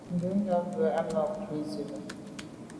Mû’ndə̀ bù à’ mà’ ú cá ú zî bə́.